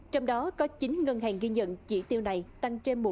trong đó có chín ngân hàng ghi nhận chỉ tiêu này tăng trên một trăm linh